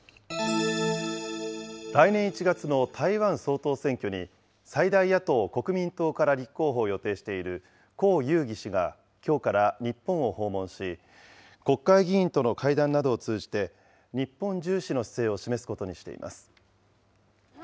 来年１月の台湾総統選挙に、最大野党・国民党から立候補を予定している侯友宜氏が、きょうから日本を訪問し、国会議員との会談などを通じて、日本重視の姿勢を示すことにしています。